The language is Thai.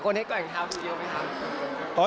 ให้ก่อนเท้าดูเยอะไหมครับ